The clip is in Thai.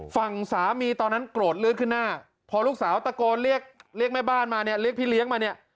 ฝั่งสามีตอนนั้นโกรธเลือดขึ้นหน้าพอลูกสาวตะโกนเรียกเรียกแม่บ้านมาเนี่ยเรียกพี่เลี้ยงมาเนี่ย